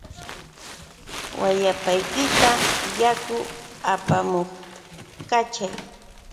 Wayapaykita yaku apamuq kachay.